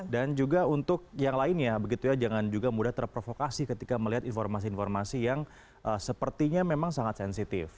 dan juga untuk yang lainnya jangan juga mudah terprovokasi ketika melihat informasi informasi yang sepertinya memang sangat sensitif